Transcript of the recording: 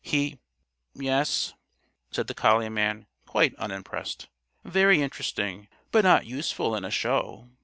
He " "Yes?" said the collie man, quite unimpressed. "Very interesting but not useful in a show.